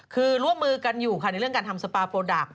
คือร่วมมือกันอยู่ค่ะในเรื่องการทำสปาโปรดักต์